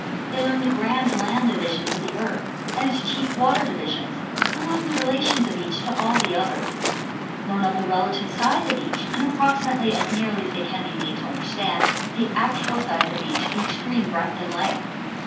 They learn the grand land divisions of the earth and its chief water divisions and learn the relations of each to all the others; learn the relative size of each and approximately as as nearly as they can be made to understand the actual size of each in extreme breadth and length.